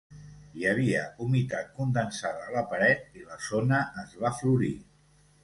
Hi havia humitat condensada a la paret i la zona es va florir.